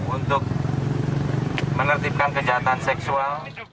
untuk menertibkan kejahatan seksual